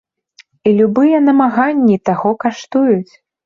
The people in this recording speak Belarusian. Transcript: І любыя намаганні таго каштуюць.